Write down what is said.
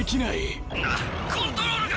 なっコントロールが。